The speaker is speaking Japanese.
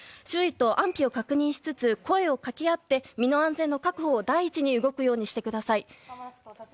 周囲と安否を確認しつつ声を掛け合って身の安全の確保を第一に動くようにしてください。